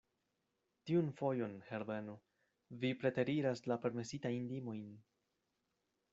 Tiun fojon, Herbeno, vi preteriras la permesitajn limojn.